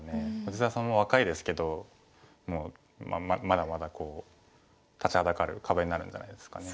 藤沢さんも若いですけどまだまだ立ちはだかる壁になるんじゃないですかね。